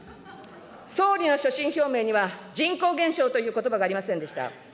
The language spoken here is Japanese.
総理の所信表明には人口減少ということばがありませんでした。